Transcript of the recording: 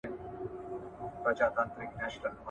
"د مثقال د ښو جزا ورکول کېږي